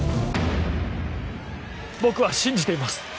僕は信じています。